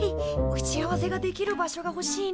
打ち合わせができる場所がほしいね。